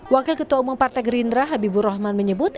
wakil ketua umum partai gerindra habibur rahman menyebut